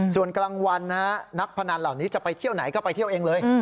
ส่วนกลางวันนักพนันเหล่านี้จะไปเที่ยวไหนก็ไปเที่ยวเองเลย